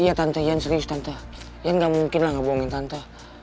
iya tante ian serius tante ian gak mungkin lah gak bohongin tante